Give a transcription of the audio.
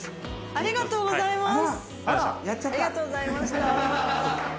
ありがとうございます。